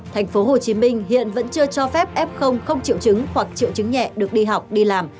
tp hcm hiện vẫn chưa cho phép f không triệu chứng hoặc triệu chứng nhẹ được đi học đi làm